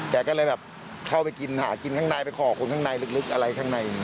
แกก็เลยแบบเข้าไปกินหากินข้างในไปขอคนข้างในลึกอะไรข้างใน